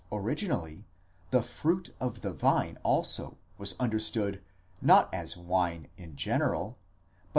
originally the fruit of the vine also was understood not as wine in general, but.